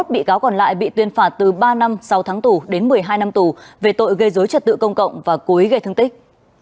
hai mươi một bị cáo còn lại bị tuyên phạt từ ba năm sau tháng tù đến một mươi hai năm tù về tội gây dối trật tự công cộng và cố ý gây thương tích